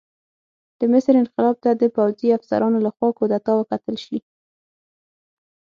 د مصر انقلاب ته د پوځي افسرانو لخوا کودتا وکتل شي.